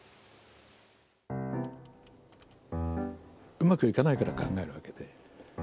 うまくいかないから考えるわけで。